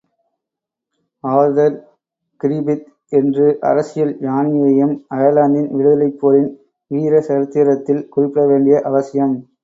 Arthur Griffith என்று அரசியல் ஞானியையும் அயர்லாந்தின் விடுதலைப் போரின் வீரச்சரித்திரத்தில் குறிப்பிடவேண்டியது அவசியம்.